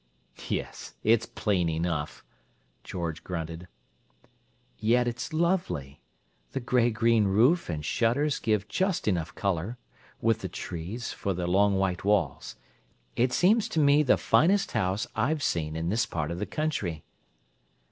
"Yes, it's plain enough!" George grunted. "Yet it's lovely; the gray green roof and shutters give just enough colour, with the trees, for the long white walls. It seems to me the finest house I've seen in this part of the country."